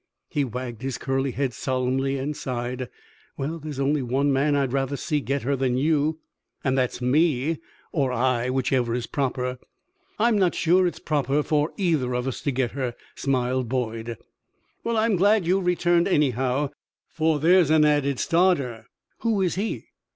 He wagged his curly head solemnly and sighed. "Well, there is only one man I'd rather see get her than you, and that's me or I whichever is proper." "I'm not sure it's proper for either of us to get her," smiled Boyd. "Well, I'm glad you've returned anyhow; for there's an added starter." "Who is he?"